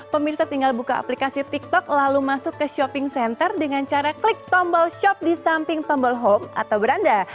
pemirsa tinggal buka aplikasi tiktok lalu masuk ke shopping center dengan cara klik tombol shop di samping tombol home atau beranda